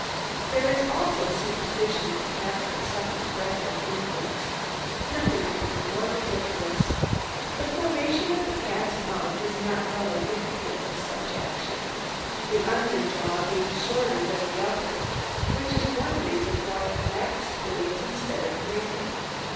There is also a superstition that cats will suck the breath of infants. Nothing could be more ridiculous. The formation of the cat's mouth is not well adapted for such action, the under jaw being shorter than the upper, which is one reason why it laps fluids instead of drinking.